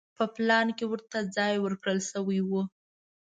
په پلان کې ورته ځای ورکړل شوی و.